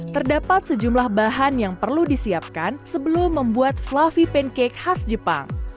terdapat sejumlah bahan yang perlu disiapkan sebelum membuat fluffy pancake khas jepang